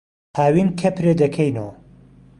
هاوین کهپرێ دهکهینۆ